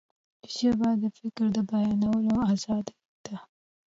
ژبه د فکر بیانولو آزادي ده